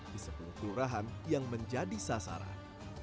di sepuluh kelurahan yang menjadi sasaran